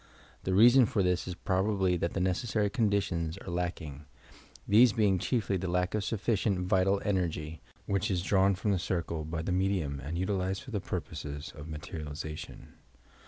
The reason for this ia probably that the necessary conditions are lacking, these being chiefly the lack of sufficient vital energy, which is drawn from the circle by the medium and utilized for the purposes of materialization.